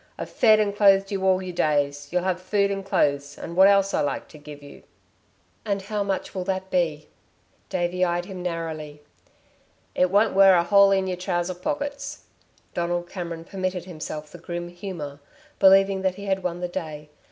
"I've fed and clothed you all your days. You'll have food and clothes and what else I like to give you." "And how much will that be?" Davey eyed him narrowly. "It won't wear a hole in y'r trousers pockets." Donald Cameron permitted himself the grim humour, believing that he had won the day.